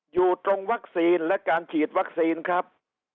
อยู่ตรงวัคซีนและการฉีดวัคซีนครับ